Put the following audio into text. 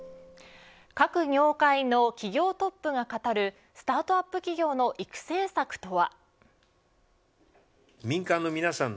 各業界の企業トップが語るスタートアップ企業の育成策とは。